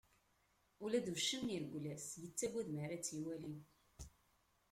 Ula d uccen ireggel-as, yugad m'ara tt-iwali.